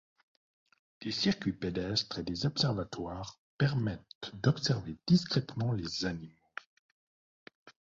Des circuits pédestres et des observatoires permettent d'observer discrètement les animaux.